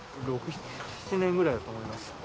７年ぐらいだと思います。